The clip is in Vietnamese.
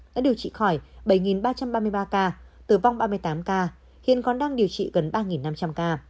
đã điều trị khỏi bảy ba trăm ba mươi ba ca tử vong ba mươi tám ca hiện còn đang điều trị gần ba năm trăm linh ca